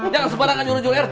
jangan sebarang anjur anjur rt